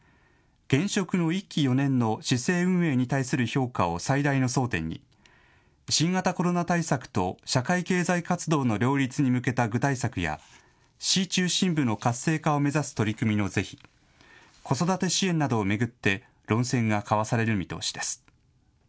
現職の１期４年の市政運営に対する評価を最大の争点に新型コロナ対策と社会経済活動の両立に向けた具体策や市中心部の活性化を目指す取り組みの是非、子育て支援などを巡って論戦が交わされる見通しです。